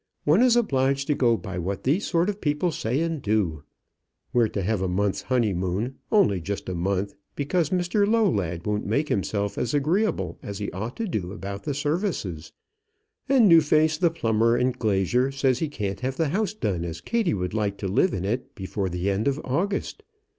One is obliged to go by what these sort of people say and do. We're to have a month's honeymoon, only just a month, because Mr Lowlad won't make himself as agreeable as he ought to do about the services; and Newface, the plumber and glazier, says he can't have the house done as Kattie would like to live in it before the end of August.